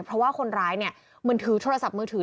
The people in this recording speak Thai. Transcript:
เพราะว่าคนร้ายมันถือโทรศัพท์มือถือ